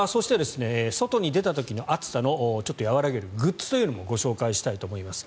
そして、外に出た時に暑さを和らげるグッズというのを紹介したいと思います。